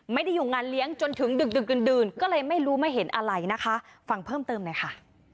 ไม่ได้อยู่งานเลี้ยงจนถึงดึกดึกดื่นก็เลยไม่รู้ไม่เห็นอะไรนะคะฟังเพิ่มเติมหน่อยค่ะ